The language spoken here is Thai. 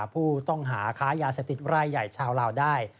ผู้ต้องหาค้ายาเสพติดไร่ใหญ่ชาวลาวได้